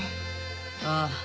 ああ。